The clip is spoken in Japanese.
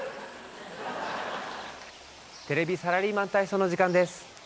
テレビサラリーマン体操の時間です。